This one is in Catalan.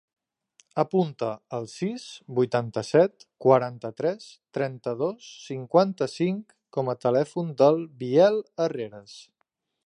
Apunta el sis, vuitanta-set, quaranta-tres, trenta-dos, cinquanta-cinc com a telèfon del Biel Herreras.